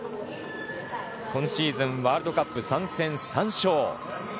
今シーズンワールドカップ３戦３勝。